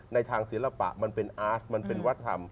ในทางศิลปะมันเป็นอาร์ตมันเป็นวัฒนธรรม